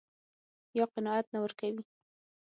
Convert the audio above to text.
يا قناعت نه ورکوي.